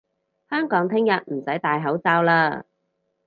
香港聽日都唔使戴口罩嘞！